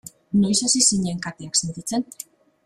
Noiz hasi zinen kateak sentitzen?